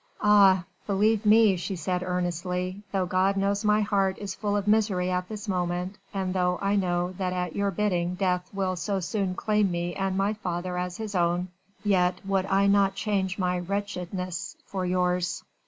Ah! believe me," she added earnestly, "though God knows my heart is full of misery at this moment, and though I know that at your bidding death will so soon claim me and my father as his own, yet would I not change my wretchedness for yours."